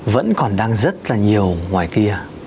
vẫn còn đang rất là nhiều ngoài kia